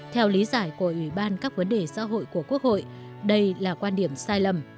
theo lý giải của ủy ban các vấn đề xã hội của quốc hội đây là quan điểm sai lầm